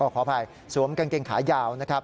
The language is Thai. ขออภัยสวมกางเกงขายาว